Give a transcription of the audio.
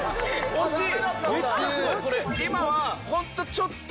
惜しい。